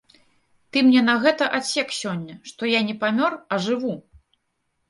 Ты мне на гэта адсек сёння, што я не памёр, а жыву!